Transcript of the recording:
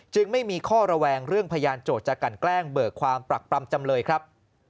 ไม่มีข้อระแวงเรื่องพยานโจทย์จะกันแกล้งเบิกความปรักปรำจำเลยครับ